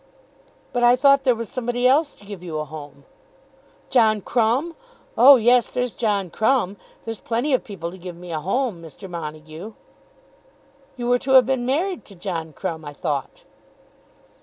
"But I thought there was somebody else was to give you a home." "John Crumb! Oh, yes, there's John Crumb. There's plenty of people to give me a home, Mr. Montague." "You were to have been married to John Crumb, I thought."